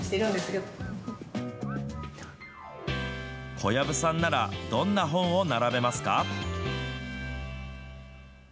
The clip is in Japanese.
小籔さんならどんな本を並べますか。